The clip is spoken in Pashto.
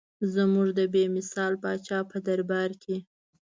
زموږ د بې مثال پاچا په دربار کې.